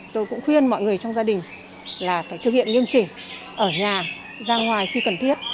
tôi cũng khuyên mọi người trong gia đình là phải thực hiện nghiêm chỉnh ở nhà ra ngoài khi cần thiết